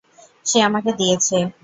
সে আমাকে দিয়েছে।